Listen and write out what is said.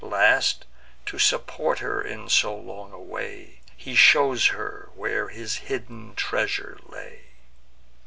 Last, to support her in so long a way, He shows her where his hidden treasure lay.